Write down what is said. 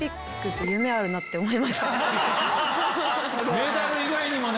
メダル以外にもね。